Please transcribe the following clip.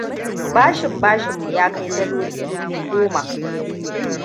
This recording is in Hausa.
Bashin bashinmu ya kai daloli dubu goma.